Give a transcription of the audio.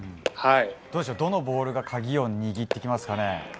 どのボールが鍵を握ってきますかね？